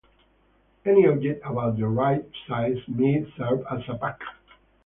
Any object about the right size might serve as a puck.